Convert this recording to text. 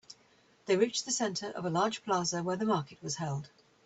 They reached the center of a large plaza where the market was held.